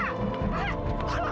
ya ya pak